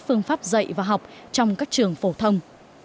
phương pháp dạy và học trong các trường phổ thông